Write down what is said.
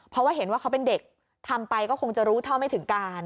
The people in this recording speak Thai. เพราะว่าเห็นว่าเขาเป็นเด็กทำไปก็คงจะรู้เท่าไม่ถึงการ